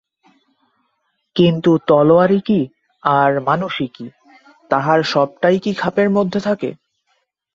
কিন্তু তলোয়ারই কী, আর মানুষই কী, তাহার সবটাই কি খাপের মধ্যে থাকে?